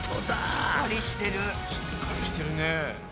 しっかりしてるね。